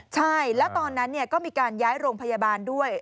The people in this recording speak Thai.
ใช่แล้วตอนนั้นก็มีการย้ายโรงพยาบาลด้วย